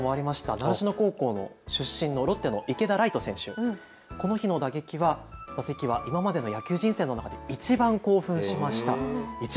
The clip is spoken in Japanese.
習志野高校の出身のロッテの池田来翔選手、この日の打席は今までの野球人生の中でいちばん興奮しました。